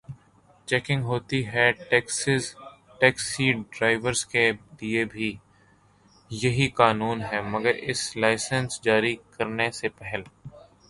Checking ہوتی ہے۔ Taxi driver کے لیے بھی یہی قانون ہے مگر اسے لائسنس جاری کرنے سے پہل